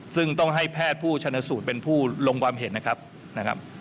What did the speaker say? ซึ่งต้องให้แพทย์ผู้ชนสูตรเป็นผู้ลงความเห็นนะครับนะครับ